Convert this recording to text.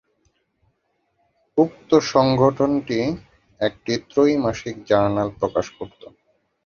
উক্ত সংগঠনটি একটি ত্রৈমাসিক জার্নাল প্রকাশ করত।